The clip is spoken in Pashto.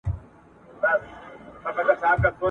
ستا په لار کي مي اوبه کړل په تڼاکو رباتونه !.